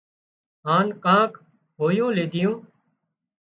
هانَ ڪانڪ هويوُون ليڌيون